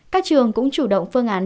các trường cũng chủ động phương án